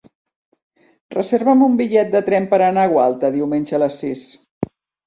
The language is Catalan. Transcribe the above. Reserva'm un bitllet de tren per anar a Gualta diumenge a les sis.